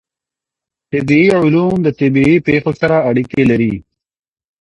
طبیعي علوم د طبیعي پېښو سره اړیکي لري.